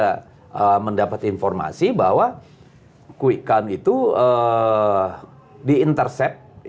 kita mendapat informasi bahwa quick count itu di intercept